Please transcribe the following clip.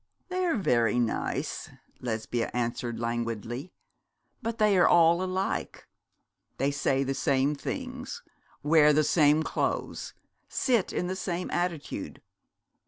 'They are very nice,' Lesbia answered languidly; 'but they are all alike. They say the same things wear the same clothes sit in the same attitude.